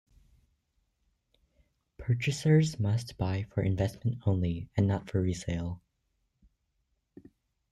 Purchasers must buy for investment only, and not for resale.